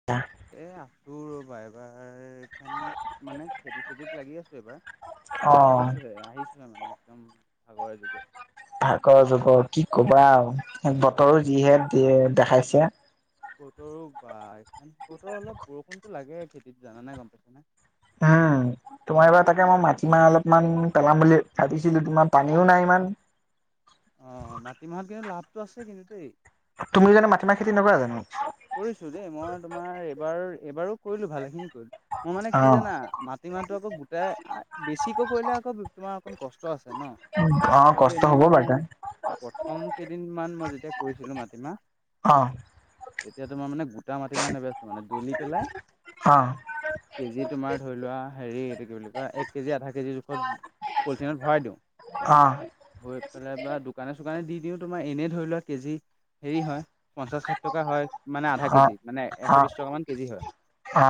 [inaudible] এ আছো ৰ'বা এইবাৰ- সেন মানে খেতি চেতিত লাগি আছো এইবাৰ অ আহিছোহে আহিছোহে মানে- একদম ভাগৰে দুখৰে। ভাগৰ দুখৰ কি কবা আৰু বতৰো যিহে দেখাইছে। বতৰো বা এখন বতৰ অলপ বৰষুণতো লাগে খেতিত জানানে গম পাইছ নে? অঁ' তোমাৰ এইবাৰ তাকে মই মাটিমাহ অলপমান পেলাম বুলি ভাবিছিলো তোমাৰ পানীও নাই ইমান- অঁ' মাটিমাহত কিন্তু লাভটো আছে কিন্তু দেই। তুমি জনো মাটিমাহ খেতি নকৰা জানো। কৰিছো দেই মই তোমাৰ এইবাৰ এইবাৰো কৰিলো ভালেখিনি কৰিলো। মোৰ মানে অ কি জানা মাটিমাহটো আকৌ গোটাই বেছিকৈ কৰিলে আকৌ তোমাৰ অকণ কষ্ট আছে ন। অ কিন্তু, কষ্ট এনেই হ'ব মানে বাৰু প্ৰথম কেইদিন মান মই যেতিয়া কৰিছিলো মাটিমাহ- অঁ' তেতিয়া তোমাৰ মানে গোটা মাটি মাহ নেবেছো মানে দলি পেলাই- অ কেজি তোমাৰ ধৰি লোৱা হেৰি এইটো কি বুলি কয় এক- এক কেজি আধা কেজি জোখত পলিথিনত ভৰাই দিওঁ- অ গৈ পেলাই বা দোকানে চোকানে দি দিওঁ তোমাৰ এনেই ধৰি লোৱা কেজি- হেৰি হয় পঞ্চাশ ষাঠি টকা হয়। মানে আধা অ কেজি মানে এশ অ বিশ টকা মান কেজি হয়, অ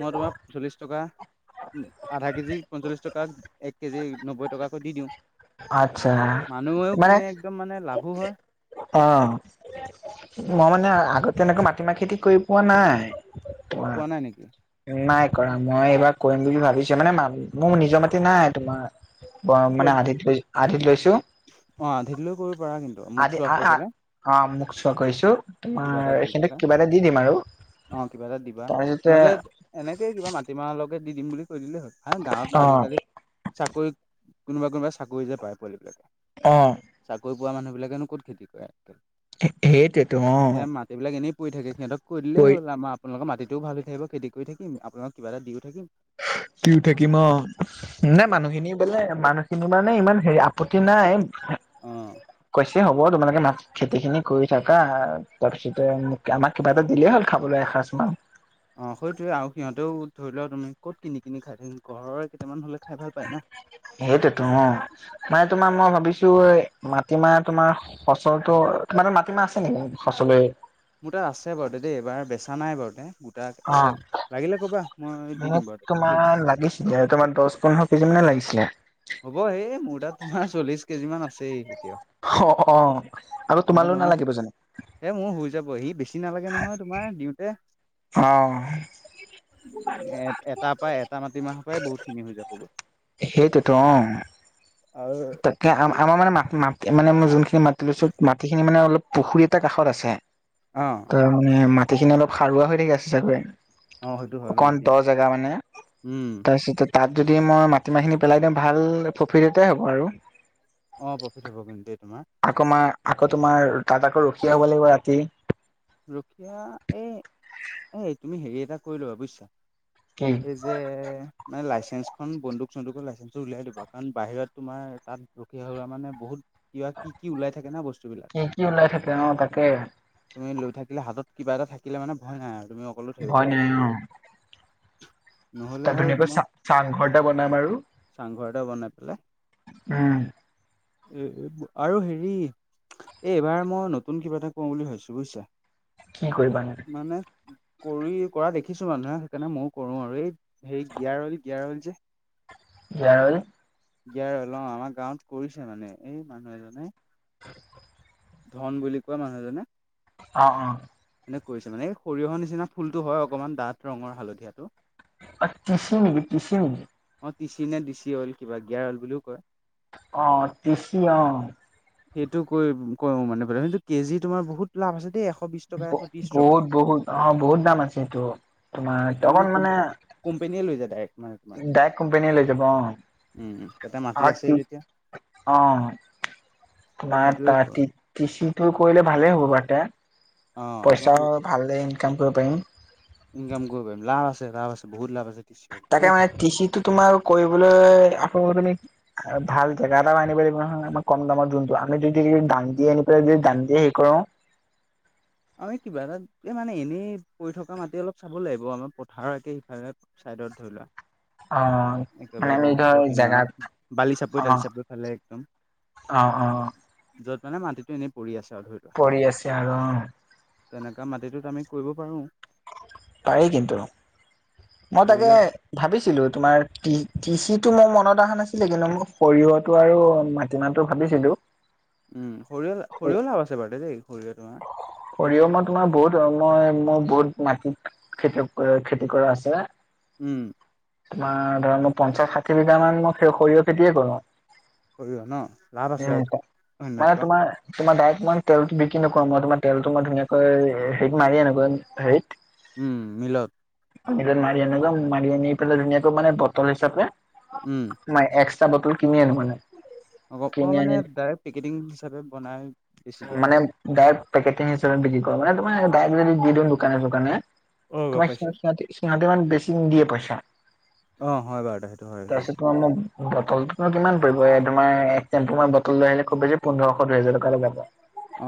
মই তোমাৰ চল্লিশ টকা- আধা কেজি পঞ্চল্লিশ টকাত এক কেজি নব্বৈ টকাকৈ দি দিওঁ। আচ্ছা মানুহেও কিনে একদম মানে লাভো হয়। অঁ' মই মানে আগতে তেনেকা মাটিমাহ খেতি কৰি পোৱা নাই। তোমাৰ পোৱা নাই নিকি। নাই কৰা মই এইবাৰ কৰিম বুলি ভাবিছো মানে মোৰ নিজৰ মাতি নাই তোমাৰ- ব মানে আধিত লৈ আধিত লৈছো। অঁ' আধিতলৈও কৰিব পাৰা কিন্তু মোক চোৱা কৰি পেলাই। অঁ' মোক চোৱা কৈছো তোমাৰ এইখিনিক কিবা এটা দি দিম আৰু। অঁ' কিবা এটা দিবা। তাৰপিছতে নহলে- এনেকেই কিবা মাটিমাহ লকে দি দিম বুলি কৈ দিলেই হ'ল, হে গাঁৱত অ আজিকালি- চাকৰি কোনোবা কোনোবা চাকৰি যে পায় পোৱালিবিলাকে- অঁ' চাকৰি পোৱা মানুহ বিলাকেনো ক'ত খেতি কৰে হেতে। সেইটোৱেতো অঁ'। এইবিলাক এনেই পৰি থাকে সিহঁতক কৰি দিলেই হ'ল আমা- আপোনালোকৰ মাটিটো ভাল হয় থাকিব খেতি কৰি থাকি আপোনালোকক কিবা এটা দিও থাকিম- দিওঁ থাকিম অঁ'। নাই মানুহখিনি বোলে মানুহখিনি মানে ইমান হেৰি আপত্তি নাই- অঁ'। কৈছে হব তোমালোকে মাত খেতিখিনি কৰি থাকা তাৰপিছতে মোক আমাক কিবা এটা দিলেই হ'ল খাবলৈ এসাঁজমান। অ' সেইটোৱে আৰু সিহঁতেও ধৰি লোৱা তুমি ক'ত কিনি কিনি খাই থাকি ঘৰৰ কেইটামান হ'লে খাই ভাল পায় না সেইটো তোমাৰ মানে তোমাৰ মই ভাবিছো মাটিমাহ তোমাৰ সচৰটো তোমাৰ মাটিমাহ আছে নেকি সচলে মোৰ তাত আছে বাৰু দে দেই এইবাৰ বেচা নাই বাৰু দে, গু তাক অ', আছে, লাগিলে ক'বা মই দি দিম বাৰু [unintelligible] দেই। [unintelligible] দছ-পোন্ধৰ কেজি মানে লাগিছিলে। হ'ব এই মোৰ তাত তোমাৰ চল্লিশ কেজিমান আছেই এতিয়াও। হ অ অ আৰু মই তোমালৈ তোমাৰ নালাগিব জানো? এ মোৰ হয় যাব, সি বেছি নালাগে নহয় তোমাৰ দিওঁতে। অ', এট এটাৰ পৰা এটা মাটিমাহৰ পৰাই বহুতখিনি হৈ যাবগে। সেইটোৱেতো অ। আৰু তাকে আম আমাৰ মানে মাটি মাটি মানে মই যোনখিনি মাটি লৈছো, মাটিখিনি মানে অলপ পুখুৰী এটা কাষত আছে। অঁ। তাৰ মানে মাটিখিনি অলপ সাৰুৱা হৈ থাকে আছে চাগৈ। অ সেইটো হয় অকণ কিন্তু দ জেগা মানে উম তাৰপিছতে তাত যদি মই মাটিমাহখিনি পেলাই দিওঁ ভাল প্ৰফিট এটাই হ'ব আৰু। অঁ প্ৰফিট হ'ব কিন্তু দেই তোমাৰ। আকৌ মাৰ আকৌ তোমাৰ তাত আকৌ ৰখীয়া হব লাগিব ৰাতি। ৰখিয়া এই, এই তুমি হেৰি এটা কৰি লবা বুজিছা? কি? এই যে মানে লাইচেঞ্চখন বন্দুক - চন্দুকৰ লাইচেঞ্চটো উলিয়াই দিবা কাৰণ বাহিৰত তোমাৰ তাত ৰখীয়া হ'লে মানে বহুত কিবা কি কি ওলাই থাকে না বস্তুবিলাক। কি কি ওলাই থাকে, অ তাকে। তুমি লৈ থাকিলে হাতত কিবা এটা থাকিলে মানে ভয় নাই আৰু তুমি অকলে থাকিব ভয় পাৰিবা নাই তেতিয়া। অ নহ'লে তাত আৰু ধুনীয়াকৈ তোমাৰ চা চাংঘৰ এটা বনাম আৰু। চাংঘৰ এটা বনাই পেলাই উম। এ এব আৰু হেৰি এ এইবাৰ মই নতুন কিবা এটা কৰো বুলি ভাবিছোঁ বুজিছা? কি কৰিবা নো? মানে কৰি কৰা দেখিছোঁ মানুহে সেইকাৰণে মইও কৰো আৰু এই হেৰি গিয়াৰ অইল গিয়াৰ অইল যে গিয়াৰ অইল? গিয়াৰ অইল অ আমাৰ গাঁৱত কৰিছে মানে এই মানুহ এজনে। [inaudible] ধন বুলি কোৱা মানুহজনে। অ অ। এনে কৰিছে মানে এই সৰিয়হৰ নিচিনা ফুলটো হয় অকণমান ডাঠ ৰঙৰ হালধীয়াটো। অ টিছি নেকি টিছি নেকি? অ টিচি নে দিচি অইল কিবা গিয়াৰ অইল বুলিও কয়। অ টিছি অ। সেইটো কৰি কৰো মানে [unintelligible] কেজি তোমাৰ বহুত লাভ আছে দেই এশ বিশ টকা ব এশ ত্ৰিশ টকা বহুত বহুত অ বহুত দাম আছে সেইটো। তোমাৰ অকণ মানে, কোম্পানীয়ে লৈ যায় ডাইৰেক্ট। মানে তোমাৰ ডাইৰেক্ট কোম্পানীয়ে লৈ যাব অ। উম তাতে মাটি আছে যেতিয়া অ তোমাৰ সেইটোৱে তা ক তি তিচিটো কৰিলে ভালেই হ'ব পাৰটা। অ তোমাৰ পইচাও ভালে ইনকাম কৰিব পাৰিম। ইনকাম কৰিব পাৰিম লাভ আছে লাভ আছে বহুত লাভ আছে। তিচি অইলটো দেই তাকে মানে তিচিটো তোমাৰ কৰিবলৈ আকৌ তুমি, আৰু ভাল জেগা এটাও আনিব লাগিব নহয় আমাৰ কম দামত যোনটো আমি যদি দাম দিয়ে আনি পেলাই যদি দাম দিয়ে হেৰি কৰোঁ। আমি কিবা এটাত মানে এনেই পৰি থকা মাটি অলপ চাব লাগিব আমাৰ পথাৰ একে সিফালে, চাইডত ধৰি লোৱা। অ মানে একেবাৰে আমি ধৰ ব্ৰহ্মপুত্ৰৰ জেগাত কিনাৰত বালি চাপৰি দালি চাপৰি ফালে একদম। অ অ অ য'ত মানে মাটিটো এনে পৰি আছে আৰু ধৰি লওক, পৰি আছে আৰু অ, তেনেকুৱা মাটিটোত আমি কৰিব পাৰো। পাৰি কিন্তু, মই তাকে কৰিলে ভাবিছিলো তোমাৰ তি তিছি টো মোৰ মনত অহা নাছিলে কিন্তু মোৰ সৰিয়হটো আৰু মা, মাটি মাহতো ভাবিছিলোঁ। উম সৰিয়হ সৰিয়হ লাভ আছে বাৰু দেই দেই সৰিয়হ তোমাৰ, সৰিয়হ মই তোমাৰ বহুত মই মোৰ বহুত মাটিত, খেতিয়ক খেতি কৰা আছে। উম তোমাৰ ধৰা মই পঞ্চাশ ষাঠি বিঘা মান মই স সৰিয়হ খেতিয়ে কৰো। সৰিয়হ ন লাভ আছে উম, হয় ন মানে কুৱা, তোমাৰ তোমাৰ ডাইৰেক্ট মই তেলটো বিক্ৰী নকৰো মই তোমাৰ তেলটো মই ধুনীয়াকৈ হেৰিত মাৰি আনোগৈ হেৰিত, উম মিলট, মিলত মাৰি আনো গে, মাৰি আনি পেলাই ধুনীয়াকৈ মানে বটল হিচাপে, উম ম এক্সট্ৰা বটল কিনি আনো মানে। অ অ কিনি মানে আনি ডাইৰেক্ট পেকেটিং হিচাপে বনাই বেছি দিয়া। মানে ডাইৰেক্ট পেকেটিং হিচাপে বিক্ৰী কৰো, মানে তোমাৰ ডাইৰেক্ট যদি দি দিওঁ দোকানে চোকানে, অ গম তোমাৰ পাইছো সিহঁতে সিহঁতে মান বেছি নিদিয়ে পইচা, অ হয় বাৰু দে, হয় দেই তাৰপিছত তোমাৰ মোক, বটল কিমান পৰিব এই তোমাৰ এক চেম্প মই বটল লৈ আহিলে খুব বেছি পোন্ধৰশ দুহেজাৰ টকা ওলাব।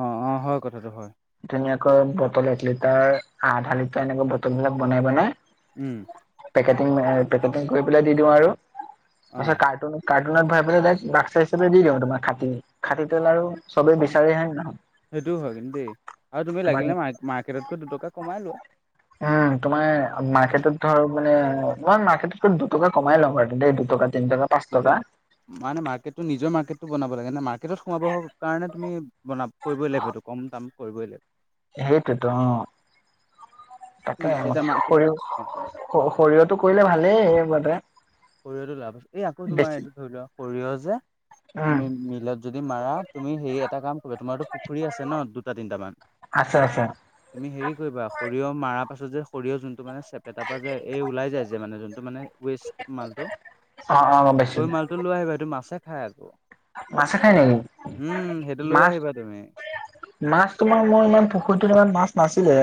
অঁ অঁ হয় কথাটো হয়। ধুনীয়াকৈ বটল এক লিটাৰ আধা লিটাৰ এনেকা বটল বিলাক বনাই বনাই, উম পেকেটিং এ পেকেটিং কৰি পেলাই দি দিও আৰু, অ তাৰ পিছত কাৰ্টুন, কাৰ্টুনত ভৰাই পেলাই বাক্সা হিচাপে দি দিওঁ তোমাৰ খাতি খাতি তেল আৰু, চবেই বিচাৰে হয় নে নহয় সেইটোও হয় কিন্তু দেই আৰু তুমি তোমাৰ লাগিলে ম মাৰ্কেটতকৈ দুটকা কমাই লোৱা। উম তোমাৰ মাৰ্কেটত ধৰ মানে মাৰ্কেটত দুটকা কমাই ল'ম আৰুেই দুটকা তিন টকা, পাঁচ তেতিয়া টকা মানে মাৰ্কেটটো নিজৰ মাৰ্কেটটো বনাব লাগে নে মাৰ্কেটত সোমাব কাৰণে তুমি বনাব, কৰিবই লাগিব এইটো কম দাম কৰিবই লাগিব। সেইটোৱেতো অ তুমি তাকে যেতিয়া এতিয়া মাৰ্কেটত সৰিয়হ, খৰিৰটো কৰিলে ভালেই মানে সৰিয়হটো লাভ, আছে এই আকৌ তোমাৰ এইটো ধৰি লোৱা সৰিয়হ যে উম তুমি মিলত যদি মাৰা তুমি সেই এটা কাম কৰিবা, তোমাৰতো পুখুৰী আছে ন' দুটা তিনিটামান আছে আছে তুমি হেৰি কৰিবা, সৰিয়হ মাৰা পাছত যে সৰিয়হ যোনটো মানে চেপেটা পৰা যে, ওলাই যায় যে ওবেসট মালটো অ অ গম পাইছো সেই মা সেইটো লৈ আহিবা সেইটো মাছে খাই আকৌ, মাছে খাই নেকি উম', সেইটো লৈ মাছ আহিবা তুমি। মাছ তোমাৰ মই ইমান পুখুৰীতত ই মাছ নাছিলে,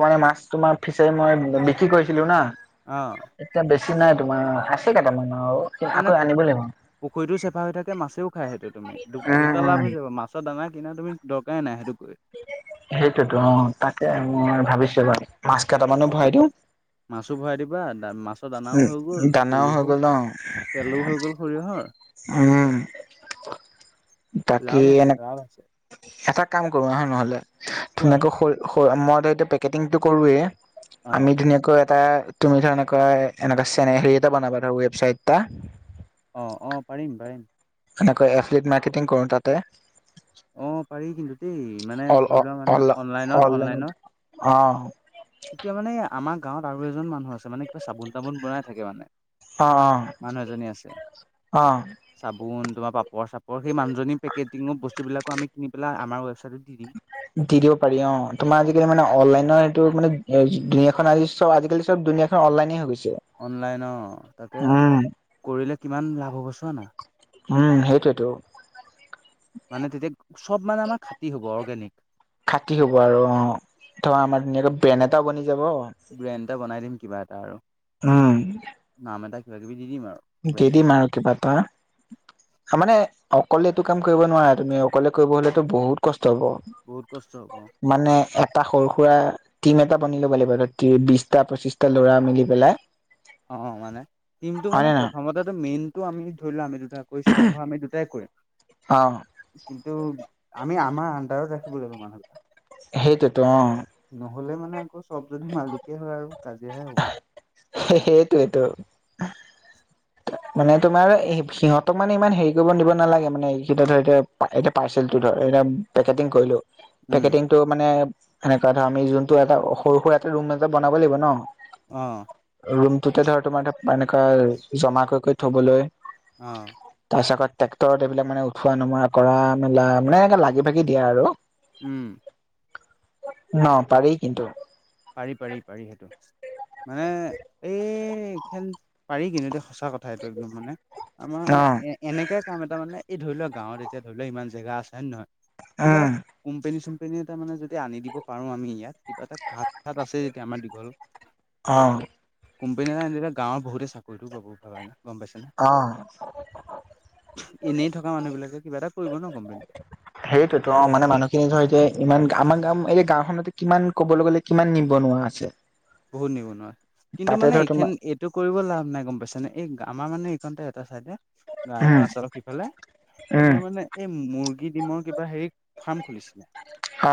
ত' মে মাছ তোমাৰ ফিচাৰি মই কি কৈছিলো না। অ', এতিয়া বেছি নাই তোমাৰ, আছে কেইটামান আৰু আকৌ আনিব লাগিব। পুখুৰীও চেফা হৈ থাকে মাছেও খায় সেইটো তুমি, উম দুটা উম লাভ হৈ যাব মাছ মাছৰ দানা কিনাৰ তুমি দৰকাৰে নাই সেইটোকে সেইটোতো অ' তাকে মই ভাবিছো বাৰু, মাছ কেইটামানো ভৰাই দিওঁ। মাছো ভৰাই দিবা, মাছৰ দানাও হৈ উম গ'ল, দানাও হৈ সৰিয়হ গ'ল ন তেলো হৈ গ'ল সৰিয়হৰ উম',। বাকী লাভ আছে এনে লাভ আছে এটা কাম কৰো আহ নহলে, কোৱা ধুনীয়াকৈ মই ত' এইটো পেকেটিংটো কৰোঁৱেই, অ আমি ধুনীয়াকৈ এটা তুমি ধৰা এনেকৈ, এনেকৈ চেনেহী হেৰি এটা বনাবা ধৰা ৱেবচাইট এটা। অহ', অহ', পাৰিম পাৰিম। এনেকৈ এফলিট মাৰ্কেটিং কৰো তাতে। অ', পাৰি কিন্তু দেই, মানে অল ধৰি লোৱা মানে অনলাইনত- অনলাইনত অহ',। তেতিয়া মানে আমাৰ গাঁৱত আৰু এজন মানুহ আছে মানে চাবোন-তাবোন বনাই থাকে মানে, অ মানুহ এজনী আছে। অ অ চাবোন তোমাৰ পাপৰ-চাপৰ সেই মানহজনী পেকেটিঙৰ বস্তুবিলাকো আমি কিনি পেলাই আমাৰ ৱেবছাইটত দি দিম। দি দিব পাৰি অ' তোমাৰ আজিকালি মানে অনলাইনৰ সেইটো মানে, দুুনীয়া খন আজি চব আজিকালি চব দুনীয়া অনলাইনে হৈ গৈছে। অনলাইন অ' তাকে উম কৰিলে কিমান লাভ হ'ব চোৱা না। উম', সেইটোৱেতো। মানে তেতিয়া চব মানে আমাৰ খাটি হ'ব অৰ্গেনিক। খাটি হ'ব আৰু অ', ধৰা আমাৰ ধুনীয়াকে ব্ৰেন এটাও বনি যাব। ব্ৰেণ্ড এটা বনাই দিম কিবা এটা আৰু, উম নাম এটা কিবা কিবি দি দিম আৰু। দি ব্ৰেণ্ডটোত দিম আৰু কিবা এটা। মানে অকলে এইটো কাম কৰিব নোৱাৰা, তুমি অকলে কৰিব হলেতো বহুত কষ্ট হ'ব। বহুত কষ্ট হ'ব অ'। মানে এটা সৰু সুৰা টিম এটা বনি লব লাগিব, বিশটা পঁচিশটা ল'ৰা মিলি পেলাই। অ', মানে টিমটো হয় মানে নে নহয় প্ৰথমতে মেইনটো আমি ধৰি লোৱা আমি দুটা কৰিছো আৰাম্ভ আমি দুটাই কৰিম। অ কিন্তু, আমি আমাৰ আন্দাৰত ৰাখিব লাগিব মানুহ বিলাক সেটোৱেটো অ'। নহ'লে মানে আকৌ চব যদি মালিকেই হয়, আৰু কাজিয়া হে হ'ব। সেইটোৱেইটো। মানে তোমাৰ সিহঁতক মানে ইমান হেৰি কৰিব দিব নালাগে, মানে সিহঁতেটো এতিয়া পাৰ্চেল ধৰ এতিয়া, পেকেটিং কৰিলো উম পেকেটিং টো মানে সেনেকুৱা ধৰ, আমি যোনটো এটা সৰু- সুৰাটো ৰুম এটা বনাব লাগিব ন! অঁহ। ৰুমটোতে ধৰ, তোমাৰ এটা এনেকৈ জমা কৰি-কৰি থবলৈ। অহ। তাৰপিছত আকৌ, ট্ৰেক্টৰত এইবিলাক মানে উঠোৱা-নমোৱা কৰা, মেলা মানে এ লাগি-ভাগি দিয়ে আৰু। উম। ন, পাৰি কিন্তু। পাৰি, পাৰি, পাৰি, সেইটো মানে এই এইখন পাৰি কিন্তু, এইটো সঁচা কথা। ঠাইতো একদম মানে, অ আমাৰ এনেকাই কাম এটা মানে, এই ধৰি লোৱা, গাঁৱত এতিয়া ধৰি লোৱা ইমান জেগা আছে হয় নে নহয়! কিবা উম কোম্পেনী-চোম্পেনী এটা মানে যদি আনি দিব পাৰো আমি ইয়াত, কিবা এটা তাত আছে, যেতিয়া আমাৰ দীঘল অঁহ। কোম্পানী এটা আনি দিলে, গাঁৱৰ বহুতে চাকৰিটো পাব, ভাবা নে, গম পাইছানে? অহ। এনেই থকা মানুহ বিলাকে, কিবা এটা কৰিব ন। কোম্পেনীত হেইটোতো অ, মানে মানুহখিনি ধৰ, এতিয়া ইমান আমাৰ গাওখনতো এতিয়া, কিমান কিমান ক'বলৈ গ'লে কিমান নিবনুৱা আছে। বহুত নিবনুৱা, কিন্তু তাতে মানে ধৰ এইখন তোমাৰ এইটো কৰিব লাভ নাই, গম পাইছানে! এই আমাৰ মানে এইখন ঠাই এটা চাইডে, গাঁও এখন উম আছে। কি ক'লে? উম তোমাৰ মানে এই মুৰ্গী ডিমৰ কিবা হেৰি ফাৰ্ম খুলিছিলে। অ।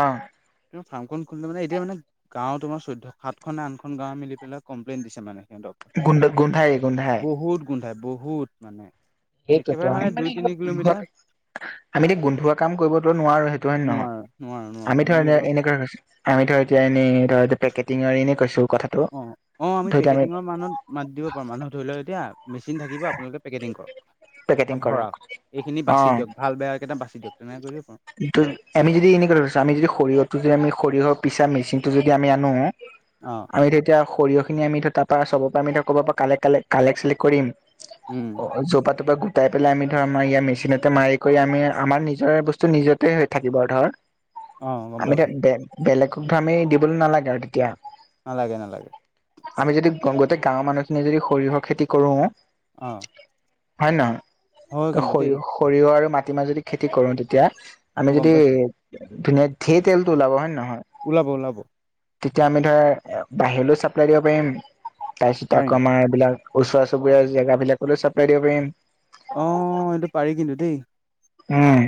তোমাৰ ফাৰ্মখন খুলিলো মানে, এতিয়া মানে গাঁও তোমাৰ চৈধ্য সাত খন, আঠ খন গাঁৱে মিলি পেলাই কম্লেইন দিছে মানে সিহঁতক। গোন্ধ, গোন্ধায়, গোন্ধায়। গোন্ধায়, বহুত মানে, সেইটোতো একেবাৰে আমি মানে এনেকুৱা দুই-তিনি গোন্ধোৱা কিলোমিটাৰ আমি [unintelligible] গোন্ধোৱা কাম কৰিবতো নোৱাৰো, সেইটো হয়নে নহয়! নোৱাৰো নোৱাৰো [unintelligible] নোৱাৰো আমি অলপ ধৰ, এতিয়া এনেই ধৰ, পেকেটিঙৰ এনে কৈছো কথা অ, অ, আমি পেকেটিঙৰ মানত মাতি দিব পাৰোঁ, মানুহ ধৰি লওক এতিয়া মেচিন থাকিব, আপোনালোকে পেকেটিং কৰক পেকেটিং বা কৰক ভৰাওক, এইখিনি অ বাছি দিয়ক, ভাল-বেয়া কেইটা বাছি দিয়ক। [unintelligible] আমি যদি এনেকুৱা ধৰিছো চোৱা, আমি যদি সৰিয়হটো যে আমি সৰিয়হ পিছা মিচিনটো যদি আমি আনো অঁ। আমি ধৰ এতিয়া, সৰিয়হখিনি আমি তাৰ পৰা, চবৰ পৰা, আমি ধৰ, ক'ৰবাৰ পৰা ক কালেক- চালেক কৰিম উম। য'ৰ পৰা, ত'ৰ পৰা গোটাই পেলাই, আমি ধৰ, আমাৰ ইয়াৰ মেচিনতে মাৰি কৰি, আমি আমাৰ নিজৰে বস্তু বস্তু নিজতে থাকিব আৰু ধৰ, অ গম আমি পাইছো এতিয়া বে বেলেগক ধৰ আমি দিবলৈ নালাগে আৰু তেতিয়া। নালাগে, নালাগে। আমি যদি গোটেই গাঁৱৰ মানুহখিনিয়ে যদি সৰিয়হৰ খেতি কৰো অ। হয়নে নহয়! হয় ত, কিন্তু দেই সৰিয়হ, সৰিয়হ আৰু মাটিমাহ যদি খেতি কৰো, তেতিয়া আমি অ গম যদি পাইছো ধুনীয়া, ধেৰ তেলটো ওলাব হয়নে নহয়! ওলাব, ওলাব। তেতিয়া আমি ধৰা, বাহিৰলৈও চাপ্লাই দিব পাৰিম, তাৰপিছত পাৰিম আকৌ আমাৰ এইবিলাক ওচৰ চুবুৰীয়া জেগা বিলাকলৈও চাপ্লাই দিব পাৰিম অ এইটো পাৰি কিন্তু দেই উম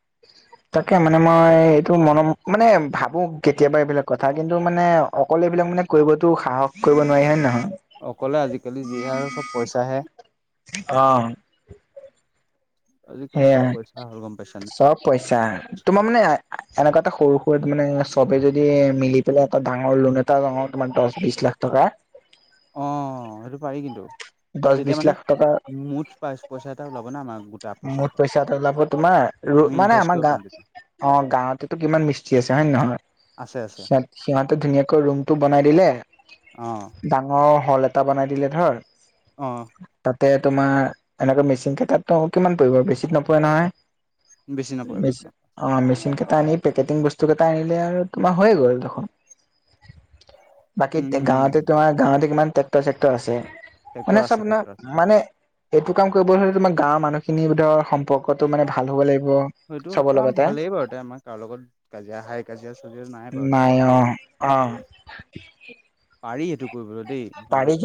[unintelligible] তাকে মানে মই এইটো মন মানে ভাবো কেতিয়াবা এইবিলাক কথা কিন্তু মানে অকলে এইবিলাক মানে কৰিবতো সাহস কৰিব নোৱাৰি হয় নহয় অকলে আজিকালি যিহে আৰু চব পইচাহে অ আজিকালি চব পইচা হ'ল গম পাইছানে পইছা তোমাৰ মানে এনেকুৱা এটা সৰু সুৰাত মানে চবে যদি মিলি পেলাই এটা ডাঙৰ লোন এটা লও তোমাৰ দহ বিশ লাখ টকা অ সেইটো পাৰি কিন্তু দহ তেতিয়া বিশ মানে লাখ টকা মুঠ পাইচ পইচা এটা ওলাব না আমাৰ গোটা মুঠ পইচা এটা ওলাব তোমাৰ আমি মানে ইনভেষ্ট আমাৰ কৰিব গা পাৰিম তেতিয়া অ গাঁৱতেটো কিমান মিস্ত্ৰী আছে হয় নে নহয় আছে আছে সিহত সিহঁতে ধুনীয়াকৈ ৰুমটো বনাই দিলে অঁ ডাঙৰ হল এটা বনাই দিলে ধৰ অ তাতে তোমাৰ এনেকা মেচিন কেইটাতনো কিমান পৰিব বেছি নপৰে নহয় বেছি অ মেচিন কেইটা আনি পেকেটিং বস্তু কেইটা আনিলে আৰু তোমাৰ হৈয়ে গ'ল দেখোন [unintelligible] বাকী উম গাঁৱতে উম তোমাৰ গাঁৱতে কিমান ট্ৰেক্টৰ চেক্টৰ আছে ট্ৰেক্টৰ মানে আছে চব ট্ৰেক্টৰ আছে, মানে এইটো কাম কৰিবলৈ হ'লে তোমাৰ গাঁৱৰ মানুহখিনি ধৰ সম্পৰ্কটো মানে ভাল হ'ব লাগিব সেইটো চবৰ অ লগতে ভালেই বাৰু দে আমাৰ কাৰো লগত কাজিয়া হাই কাজিয়া চাজিয়া নাই বাৰু এয় অ পাৰি এইটো কৰিবলৈ দেই গম পাৰি পাই